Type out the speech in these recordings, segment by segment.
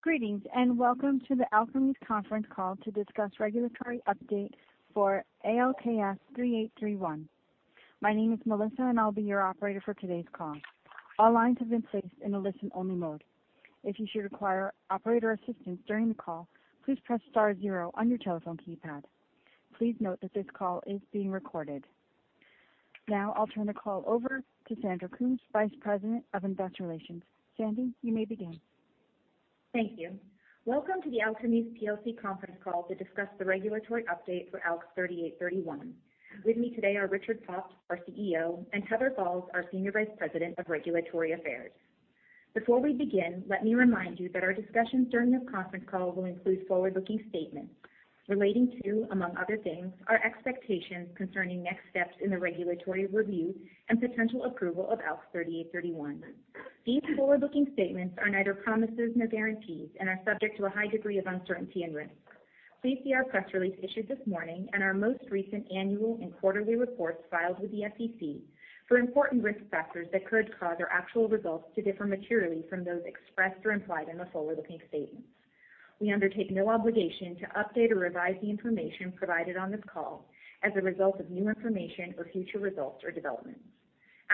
Greetings, and welcome to the Alkermes conference call to discuss regulatory update for ALKS 3831. My name is Melissa, and I'll be your operator for today's call. All lines have been placed in a listen-only mode. If you should require operator assistance during the call, please press star zero on your telephone keypad. Please note that this call is being recorded. Now I'll turn the call over to Sandy Coombs, Vice President of Investor Relations. Sandy, you may begin. Thank you. Welcome to the Alkermes plc conference call to discuss the regulatory update for ALKS 3831. With me today are Richard Pops, our CEO, and Heather Faulds, our Senior Vice President of Regulatory Affairs. Before we begin, let me remind you that our discussions during this conference call will include forward-looking statements relating to, among other things, our expectations concerning next steps in the regulatory review and potential approval of ALKS 3831. These forward-looking statements are neither promises nor guarantees and are subject to a high degree of uncertainty and risk. Please see our press release issued this morning and our most recent annual and quarterly reports filed with the SEC for important risk factors that could cause our actual results to differ materially from those expressed or implied in the forward-looking statements. We undertake no obligation to update or revise the information provided on this call as a result of new information or future results or developments.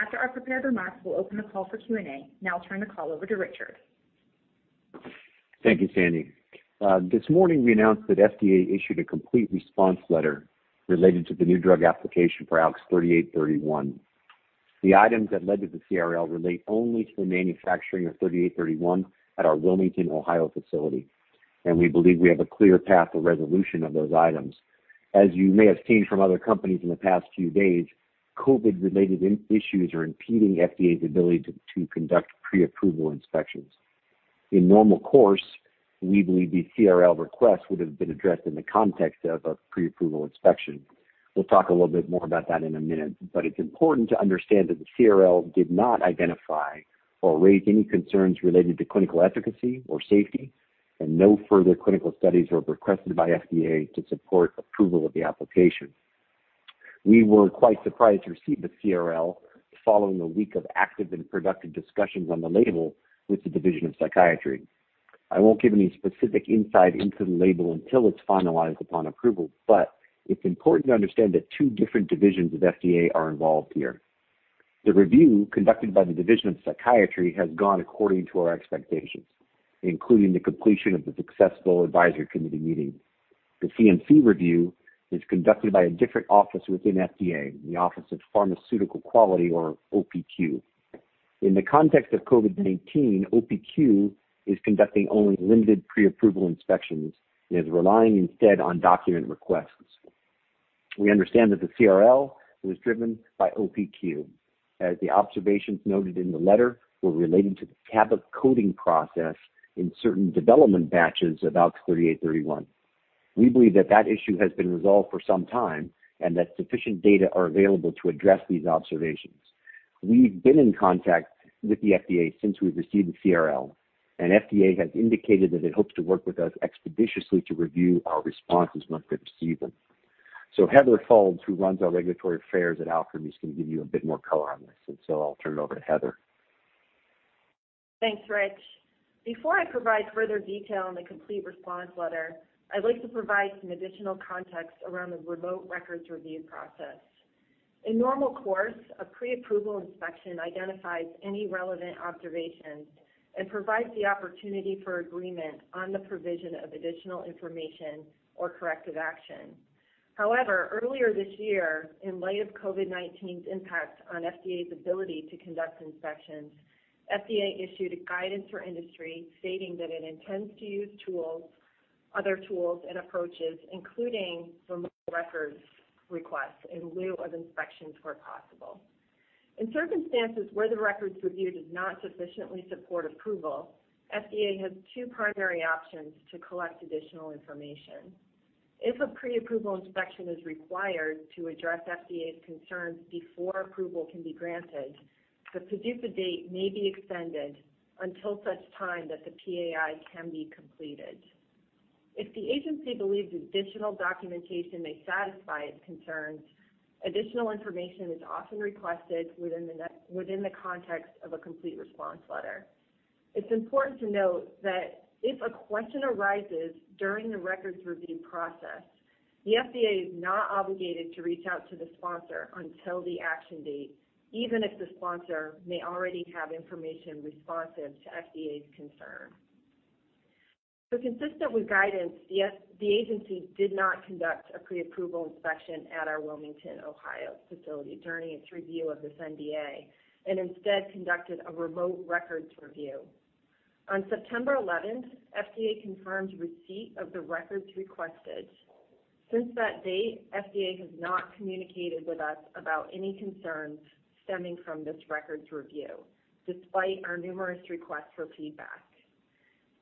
After our prepared remarks, we'll open the call for Q&A. Now I'll turn the call over to Richard. Thank you, Sandy. This morning, we announced that FDA issued a complete response letter related to the new drug application for ALKS 3831. The items that led to the CRL relate only to the manufacturing of 3831 at our Wilmington, Ohio, facility, and we believe we have a clear path to resolution of those items. As you may have seen from other companies in the past few days, COVID-related issues are impeding FDA's ability to conduct pre-approval inspections. In normal course, we believe these CRL requests would have been addressed in the context of a pre-approval inspection. We'll talk a little bit more about that in a minute, but it's important to understand that the CRL did not identify or raise any concerns related to clinical efficacy or safety, and no further clinical studies were requested by FDA to support approval of the application. We were quite surprised to receive the CRL following a week of active and productive discussions on the label with the Division of Psychiatry. I won't give any specific insight into the label until it's finalized upon approval, but it's important to understand that two different divisions of FDA are involved here. The review conducted by the Division of Psychiatry has gone according to our expectations, including the completion of the successful advisory committee meeting. The CMC review is conducted by a different office within FDA, the Office of Pharmaceutical Quality, or OPQ. In the context of COVID-19, OPQ is conducting only limited pre-approval inspections and is relying instead on document requests. We understand that the CRL was driven by OPQ, as the observations noted in the letter were related to the tablet coating process in certain development batches of ALKS 3831. We believe that issue has been resolved for some time and that sufficient data are available to address these observations. We've been in contact with the FDA since we've received the CRL, and FDA has indicated that it hopes to work with us expeditiously to review our responses once they receive them. Heather Faulds, who runs our regulatory affairs at Alkermes, can give you a bit more color on this, I'll turn it over to Heather. Thanks, Rich. Before I provide further detail on the complete response letter, I'd like to provide some additional context around the remote records review process. In normal course, a pre-approval inspection identifies any relevant observations and provides the opportunity for agreement on the provision of additional information or corrective action. However, earlier this year, in light of COVID-19's impact on FDA's ability to conduct inspections, FDA issued a guidance for industry stating that it intends to use other tools and approaches, including remote records requests in lieu of inspections where possible. In circumstances where the records review does not sufficiently support approval, FDA has two primary options to collect additional information. If a pre-approval inspection is required to address FDA's concerns before approval can be granted, the PDUFA date may be extended until such time that the PAI can be completed. If the agency believes additional documentation may satisfy its concerns, additional information is often requested within the context of a complete response letter. It's important to note that if a question arises during the records review process, the FDA is not obligated to reach out to the sponsor until the action date, even if the sponsor may already have information responsive to FDA's concern. Consistent with guidance, the agency did not conduct a pre-approval inspection at our Wilmington, Ohio, facility during its review of this NDA and instead conducted a remote records review. On September 11th, FDA confirmed receipt of the records requested. Since that date, FDA has not communicated with us about any concerns stemming from this records review, despite our numerous requests for feedback.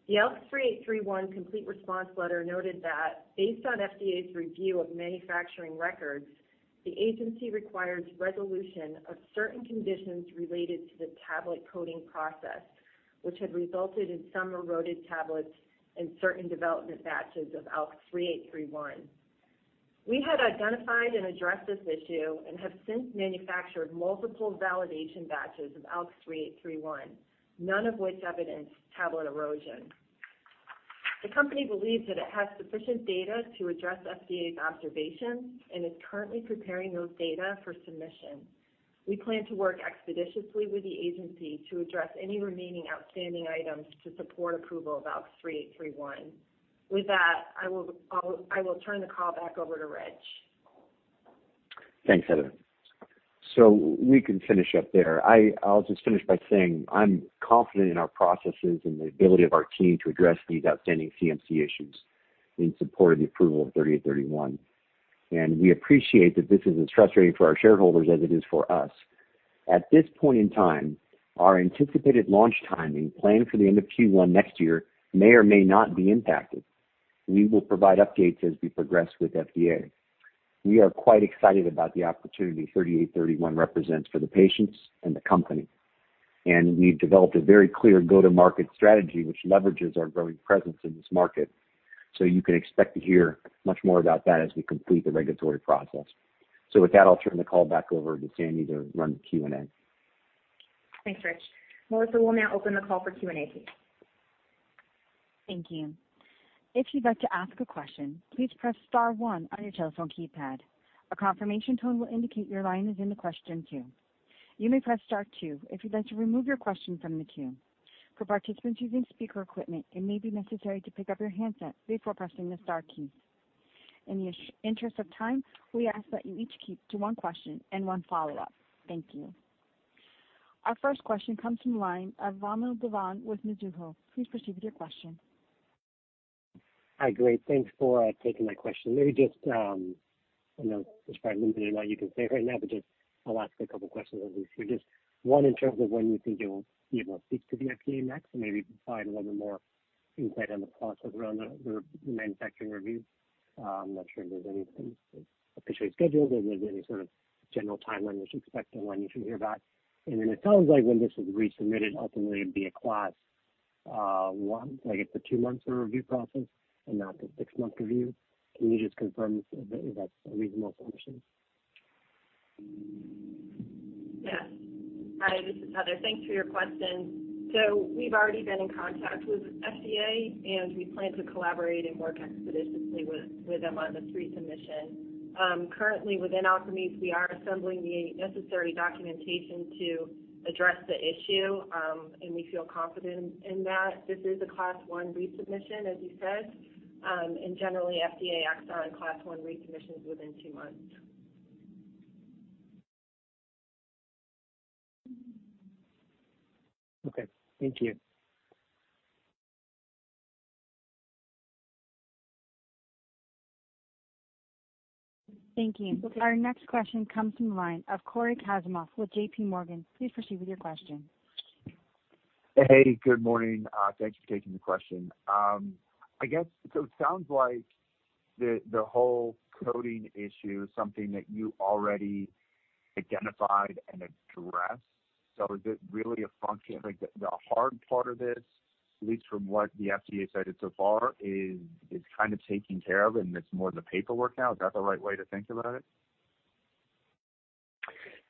The ALKS 3831 complete response letter noted that based on FDA's review of manufacturing records, the agency requires resolution of certain conditions related to the tablet coating process, which had resulted in some eroded tablets in certain development batches of ALKS 3831. We had identified and addressed this issue and have since manufactured multiple validation batches of ALKS 3831, none of which evidenced tablet erosion. The company believes that it has sufficient data to address FDA's observations and is currently preparing those data for submission. We plan to work expeditiously with the agency to address any remaining outstanding items to support approval of ALKS 3831. With that, I will turn the call back over to Rich. Thanks, Heather. We can finish up there. I'll just finish by saying I'm confident in our processes and the ability of our team to address these outstanding CMC issues in support of the approval of 3831. We appreciate that this is as frustrating for our shareholders as it is for us. At this point in time, our anticipated launch timing planned for the end of Q1 next year may or may not be impacted. We will provide updates as we progress with FDA. We are quite excited about the opportunity 3831 represents for the patients and the company. We've developed a very clear go-to-market strategy, which leverages our growing presence in this market. You can expect to hear much more about that as we complete the regulatory process. With that, I'll turn the call back over to Sandy to run the Q&A. Thanks, Rich. Melissa, we'll now open the call for Q&A, please. Thank you. If you'd like to ask a question, please press star one on your telephone keypad. A confirmation tone will indicate your line is in the question queue. You may press star two if you'd like to remove your question from the queue. For participants using speaker equipment, it may be necessary to pick up your handset before pressing the star keys. In the interest of time, we ask that you each keep to one question and one follow-up. Thank you. Our first question comes from the line of Vamil Divan with Mizuho. Please proceed with your question. Hi, great. Thanks for taking my question. Maybe just, despite limiting what you can say right now, but just I'll ask a couple questions at least. Just one, in terms of when you think you'll be able to speak to the FDA next and maybe provide a little more insight on the process around the manufacturing review. I'm not sure if there's anything officially scheduled or if there's any sort of general timeline we should expect and when we should hear back. It sounds like when this is resubmitted, ultimately it'll be a Class 1, so I guess a two-month sort of review process and not the six-month review. Can you just confirm if that's a reasonable assumption? Yes. Hi, this is Heather. Thanks for your question. We've already been in contact with FDA, and we plan to collaborate and work expeditiously with them on the resubmission. Currently, within Alkermes, we are assembling the necessary documentation to address the issue, and we feel confident in that. This is a Class 1 resubmission, as you said. Generally, FDA acts on Class 1 resubmissions within two months. Okay. Thank you. Thank you. Our next question comes from the line of Cory Kasimov with JP Morgan. Please proceed with your question. Hey, good morning. Thanks for taking the question. I guess, it sounds like the whole coding issue is something that you already identified and addressed. Is it really a function-- like, the hard part of this, at least from what the FDA said it so far, is taken care of and it's more the paperwork now. Is that the right way to think about it?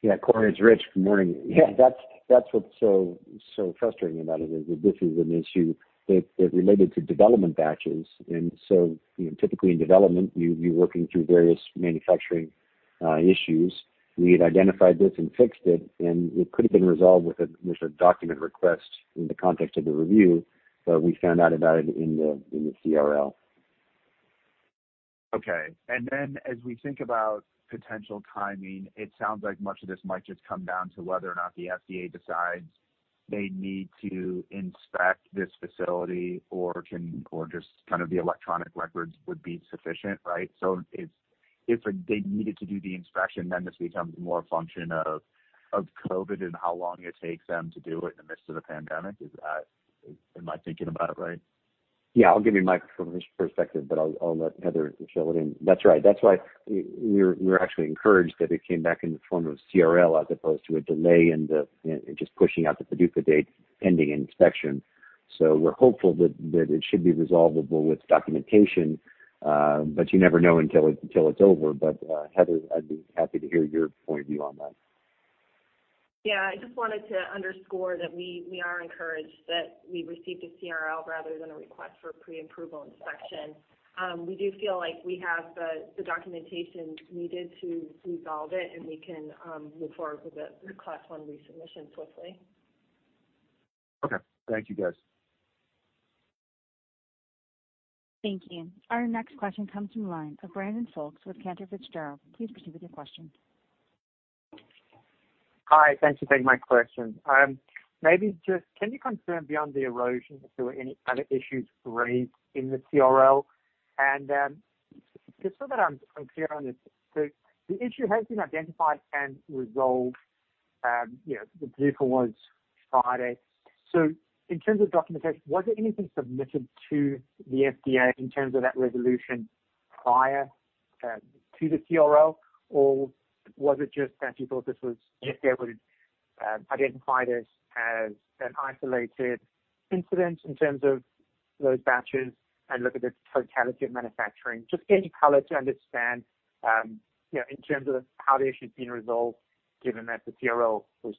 Yeah. Cory, it's Rich. Good morning. Yeah, that's what's so frustrating about it, is that this is an issue that related to development batches. Typically in development, you're working through various manufacturing issues. We had identified this and fixed it. It could have been resolved with a document request in the context of the review, We found out about it in the CRL. Okay. As we think about potential timing, it sounds like much of this might just come down to whether or not the FDA decides they need to inspect this facility or just the electronic records would be sufficient, right? If they needed to do the inspection, This becomes more a function of COVID and how long it takes them to do it in the midst of the pandemic. Am I thinking about it right? I'll give you my perspective, but I'll let Heather fill it in. That's right. That's why we're actually encouraged that it came back in the form of CRL as opposed to a delay in just pushing out the PDUFA date pending inspection. We're hopeful that it should be resolvable with documentation, but you never know until it's over. Heather, I'd be happy to hear your point of view on that. I just wanted to underscore that we are encouraged that we received a CRL rather than a request for pre-approval inspection. We do feel like we have the documentation needed to resolve it, and we can move forward with the Class 1 resubmission swiftly. Thank you, guys. Thank you. Our next question comes from the line of Brandon Folkes with Cantor Fitzgerald. Please proceed with your question. Hi, thanks for taking my question. Maybe can you confirm beyond the erosion if there were any other issues raised in the CRL? Just so that I'm clear on this, the issue has been identified and resolved. The PDUFA was Friday. In terms of documentation, was there anything submitted to the FDA in terms of that resolution prior to the CRL, or was it just that you thought this was just? Identified as an isolated incident in terms of those batches and look at the totality of manufacturing? Any color to understand, in terms of how the issue's been resolved, given that the CRL has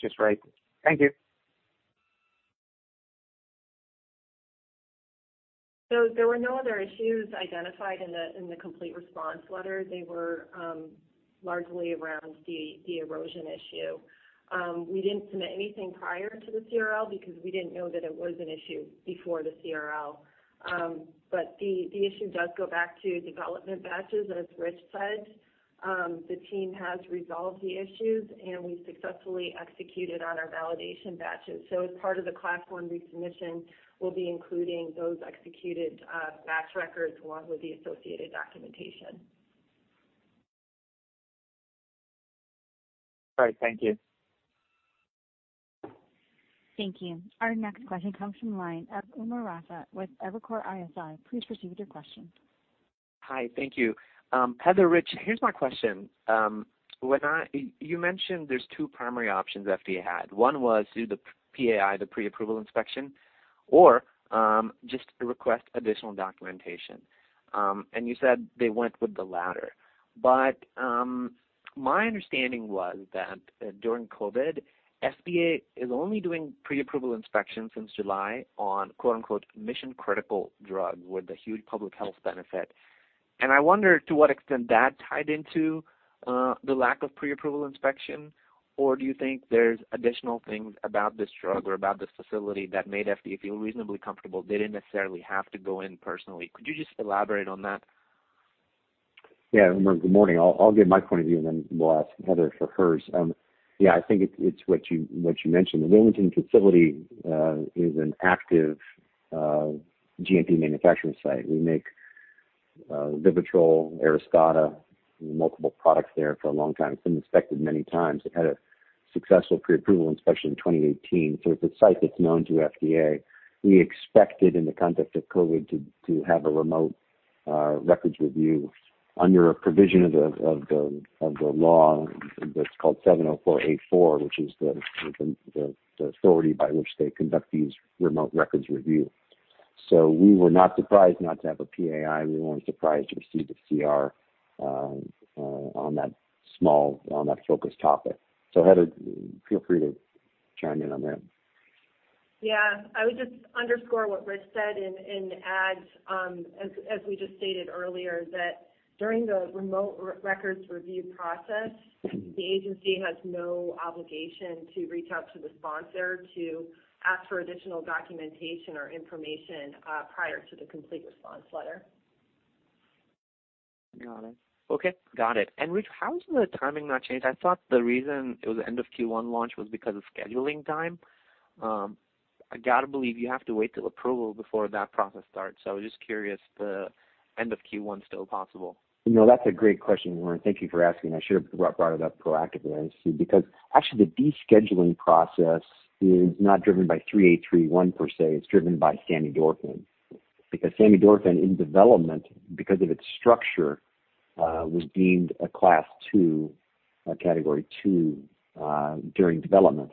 just raised it. Thank you. There were no other issues identified in the complete response letter. They were largely around the erosion issue. We didn't submit anything prior to the CRL because we didn't know that it was an issue before the CRL. The issue does go back to development batches, as Rich said. The team has resolved the issues, and we successfully executed on our validation batches. As part of the Class 1 resubmission, we'll be including those executed batch records along with the associated documentation. All right. Thank you. Thank you. Our next question comes from the line of Umer Raffat with Evercore ISI. Please proceed with your question. Hi, thank you. Heather, Rich, here's my question. You mentioned there's two primary options FDA had. One was do the PAI, the pre-approval inspection, or just request additional documentation. You said they went with the latter. My understanding was that during COVID, FDA is only doing pre-approval inspections since July on "mission-critical" drug with a huge public health benefit. I wonder to what extent that tied into the lack of pre-approval inspection, or do you think there's additional things about this drug or about this facility that made FDA feel reasonably comfortable they didn't necessarily have to go in personally? Could you just elaborate on that? Yeah, Umer, good morning. I'll give my point of view, then we'll ask Heather for hers. Yeah, I think it's what you mentioned. The Wilmington facility is an active GMP manufacturing site. We make VIVITROL, ARISTADA, multiple products there for a long time. It's been inspected many times. It had a successful pre-approval inspection in 2018. It's a site that's known to FDA. We expected in the context of COVID to have a remote records review under a provision of the law that's called 704(a)(4), which is the authority by which they conduct these remote records review. We were not surprised not to have a PAI. We weren't surprised to receive the CR on that focused topic. Heather, feel free to chime in on that. Yeah, I would just underscore what Rich said, add, as we just stated earlier, that during the remote records review process, the agency has no obligation to reach out to the sponsor to ask for additional documentation or information prior to the complete response letter. Got it. Okay. Got it. Rich, how has the timing not changed? I thought the reason it was end of Q1 launch was because of scheduling time. I got to believe you have to wait till approval before that process starts. I was just curious, the end of Q1 still possible? No, that's a great question, Umer. Thank you for asking. I should have brought it up proactively. I see, because actually the descheduling process is not driven by 3831 per se. It's driven by samidorphan. Because samidorphan in development, because of its structure, was deemed a Class 2, category 2, during development.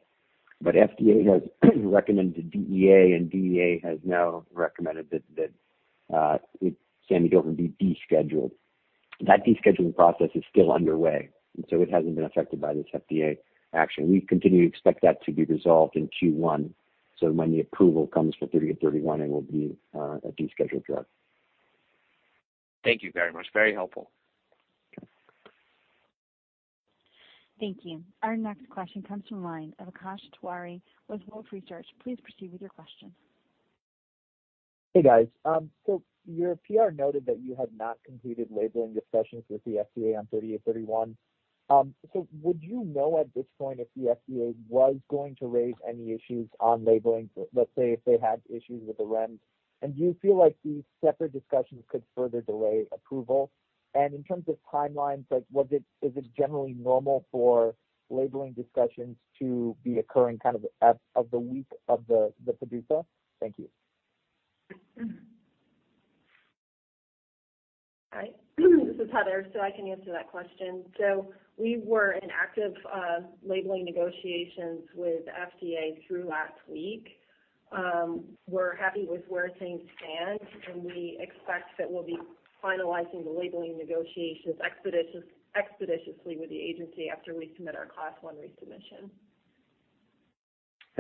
FDA has recommended DEA, and DEA has now recommended that samidorphan be descheduled. That descheduling process is still underway, it hasn't been affected by this FDA action. We continue to expect that to be resolved in Q1. When the approval comes for 3831, it will be a descheduled drug. Thank you very much. Very helpful. Thank you. Our next question comes from the line of Akash Tewari with Wolfe Research. Please proceed with your question. Hey, guys. Your PR noted that you had not completed labeling discussions with the FDA on 3831. Would you know at this point if the FDA was going to raise any issues on labeling, let's say if they had issues with the REMS, and do you feel like these separate discussions could further delay approval? In terms of timelines, is it generally normal for labeling discussions to be occurring of the week of the PDUFA? Thank you. Hi, this is Heather, I can answer that question. We were in active labeling negotiations with FDA through last week. We're happy with where things stand, and we expect that we'll be finalizing the labeling negotiations expeditiously with the agency after we submit our Class 1 resubmission.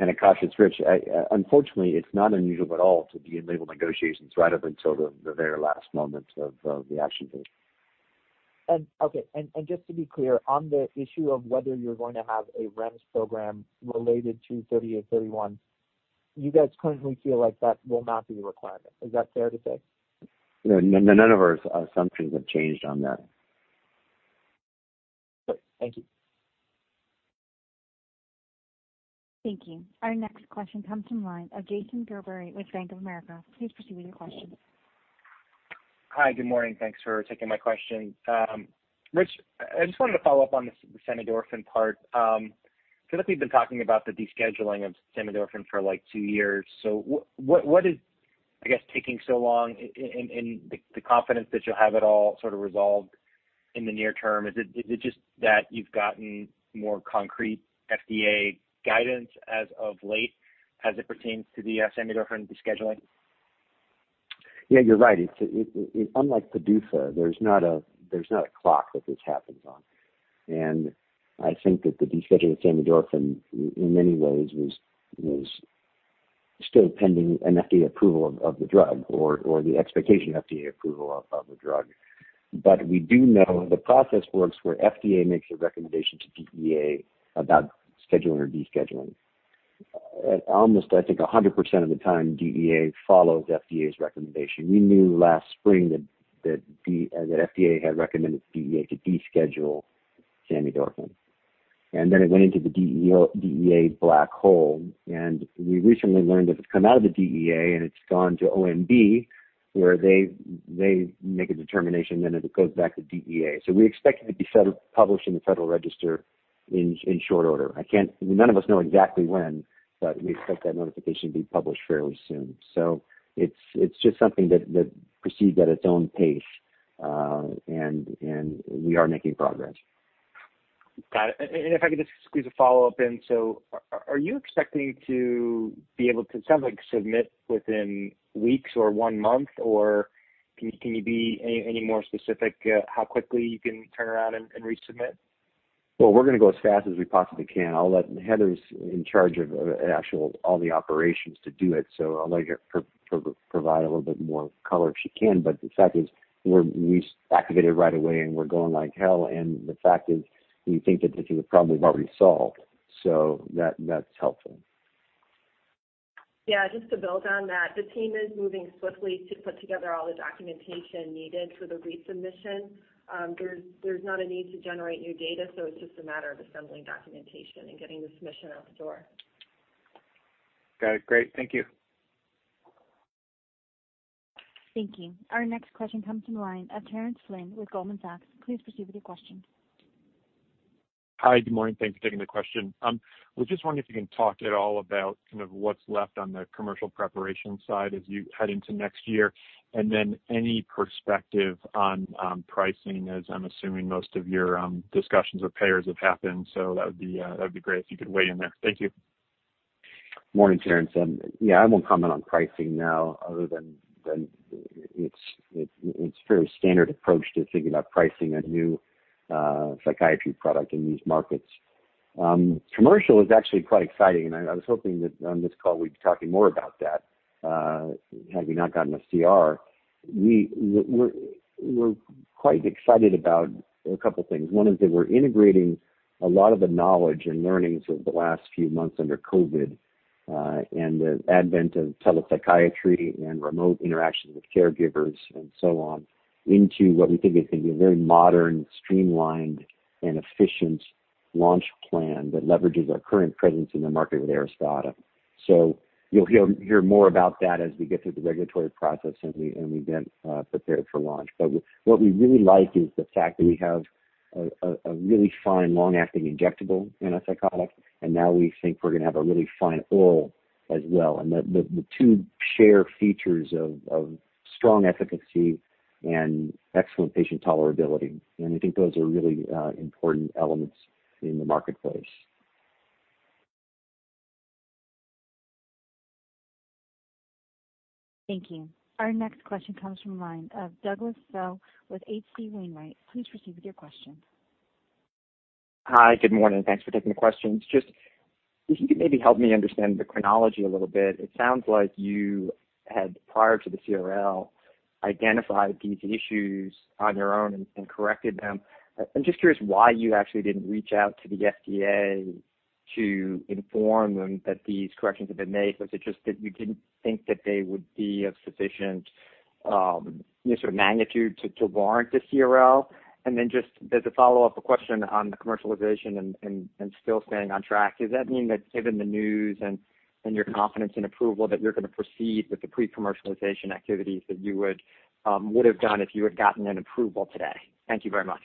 Akash, it's Rich. Unfortunately, it's not unusual at all to be in label negotiations right up until the very last moment of the action date. Okay. Just to be clear, on the issue of whether you're going to have a REMS program related to 3831, you guys currently feel like that will not be a requirement. Is that fair to say? No, none of our assumptions have changed on that. Good. Thank you. Thank you. Our next question comes from the line of Jason Gerberry with Bank of America. Please proceed with your question. Hi, good morning. Thanks for taking my question. Rich, I just wanted to follow up on the samidorphan part. I feel like we've been talking about the descheduling of samidorphan for two years. What is I guess, taking so long and the confidence that you'll have it all sort of resolved in the near term. Is it just that you've gotten more concrete FDA guidance as of late as it pertains to the samidorphan descheduling? Yeah, you're right. Unlike PDUFA, there's not a clock that this happens on. I think that the descheduling of samidorphan, in many ways, was still pending an FDA approval of the drug, or the expectation of FDA approval of the drug. We do know the process works where FDA makes a recommendation to DEA about scheduling or descheduling. Almost, I think, 100% of the time, DEA follows FDA's recommendation. We knew last spring that FDA had recommended DEA to deschedule samidorphan. Then it went into the DEA black hole, and we recently learned that it's come out of the DEA. It's gone to OMB, where they make a determination. It goes back to DEA. We expect it to be published in the Federal Register in short order. None of us know exactly when, but we expect that notification to be published fairly soon. It's just something that proceeds at its own pace. We are making progress. Got it. If I could just squeeze a follow-up in. Are you expecting to be able to, it sounds like, submit within weeks or one month, or can you be any more specific how quickly you can turn around and resubmit? We're going to go as fast as we possibly can. Heather's in charge of the actual operations to do it, so I'll let her provide a little bit more color if she can. The fact is we activated right away, and we're going like hell, and the fact is, we think that this is probably already solved. That's helpful. Yeah, just to build on that, the team is moving swiftly to put together all the documentation needed for the resubmission. There's not a need to generate new data, so it's just a matter of assembling documentation and getting the submission out the door. Got it. Great. Thank you. Thank you. Our next question comes from the line of Terence Flynn with Goldman Sachs. Please proceed with your question. Hi. Good morning. Thanks for taking the question. I was just wondering if you can talk at all about what's left on the commercial preparation side as you head into next year, and then any perspective on pricing, as I'm assuming most of your discussions with payers have happened. That would be great if you could weigh in there. Thank you. Morning, Terence. Yeah, I won't comment on pricing now other than it's a very standard approach to think about pricing a new psychiatry product in these markets. Commercial is actually quite exciting, I was hoping that on this call, we'd be talking more about that, had we not gotten a CR. We're quite excited about a couple things. One is that we're integrating a lot of the knowledge and learnings of the last few months under COVID and the advent of telepsychiatry and remote interactions with caregivers and so on into what we think is going to be a very modern, streamlined, and efficient launch plan that leverages our current presence in the market with ARISTADA. You'll hear more about that as we get through the regulatory process and we then prepare for launch. What we really like is the fact that we have a really fine long-acting injectable antipsychotic, now we think we're going to have a really fine oral as well. The two share features of strong efficacy and excellent patient tolerability. I think those are really important elements in the marketplace. Thank you. Our next question comes from the line of Douglas Bell with H.C. Wainwright. Please proceed with your question. Hi. Good morning. Thanks for taking the question. If you could maybe help me understand the chronology a little bit. It sounds like you had, prior to the CRL, identified these issues on your own and corrected them. I'm just curious why you actually didn't reach out to the FDA to inform them that these corrections have been made. Was it just that you didn't think that they would be of sufficient magnitude to warrant the CRL? Then just as a follow-up question on the commercialization and still staying on track. Does that mean that given the news and your confidence in approval, that you're going to proceed with the pre-commercialization activities that you would have done if you had gotten an approval today? Thank you very much.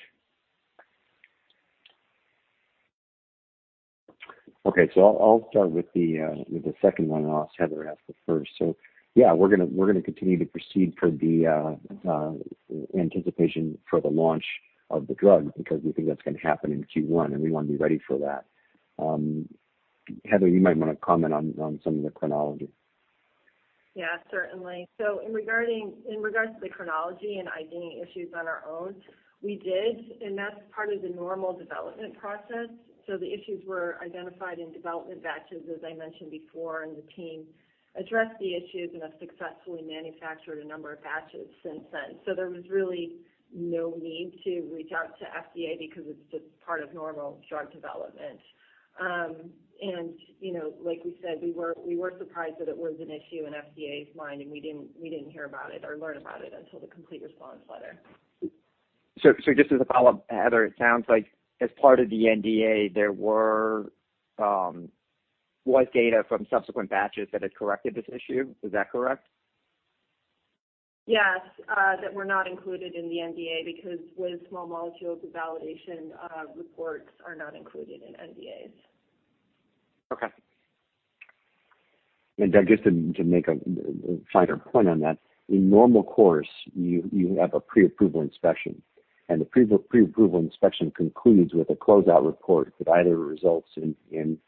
Okay. I'll start with the second one, and I'll ask Heather to answer the first. Yeah, we're going to continue to proceed per the anticipation for the launch of the drug because we think that's going to happen in Q1, and we want to be ready for that. Heather, you might want to comment on some of the chronology. Yeah, certainly. In regards to the chronology and identifying issues on our own, we did, and that's part of the normal development process. The issues were identified in development batches, as I mentioned before, and the team addressed the issues and have successfully manufactured a number of batches since then. There was really no need to reach out to FDA because it's just part of normal drug development. Like we said, we were surprised that it was an issue in FDA's mind, and we didn't hear about it or learn about it until the complete response letter. Just as a follow-up, Heather, it sounds like as part of the NDA, there was data from subsequent batches that had corrected this issue. Is that correct? Yes. That were not included in the NDA because with small molecules, the validation reports are not included in NDAs. Okay. Doug, just to make a finer point on that. In normal course, you have a pre-approval inspection. The pre-approval inspection concludes with a closeout report that either results in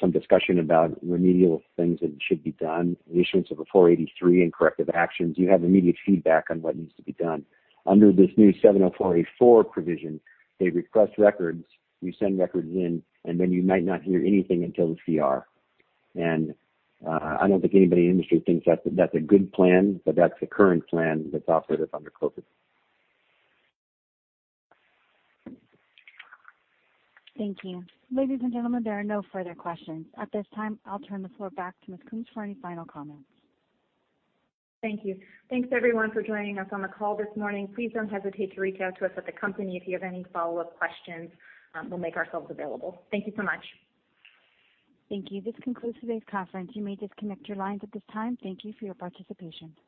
some discussion about remedial things that should be done, the issuance of a Form 483 and corrective actions. You have immediate feedback on what needs to be done. Under this new 704(a)(4) provision, they request records, we send records in, then you might not hear anything until the CR. I don't think anybody in the industry thinks that's a good plan, but that's the current plan that's operative under COVID. Thank you. Ladies and gentlemen, there are no further questions. At this time, I'll turn the floor back to Ms. Coombs for any final comments. Thank you. Thanks, everyone, for joining us on the call this morning. Please don't hesitate to reach out to us at the company if you have any follow-up questions. We'll make ourselves available. Thank you so much. Thank you. This concludes today's conference. You may disconnect your lines at this time. Thank you for your participation.